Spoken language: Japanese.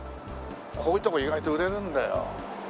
こういうとこ意外と売れるんだよ。